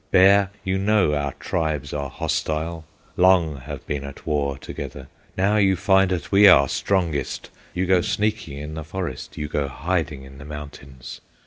Bear! you know our tribes are hostile, Long have been at war together; Now you find that we are strongest, You go sneaking in the forest, You go hiding in the mountains!